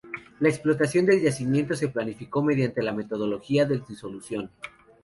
La explotación del yacimiento se planificó mediante la metodología de disolución.